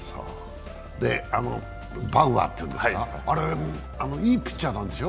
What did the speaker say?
バウアーっていうんですかいいピッチャーなんでしょ？